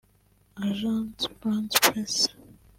Agence France Presse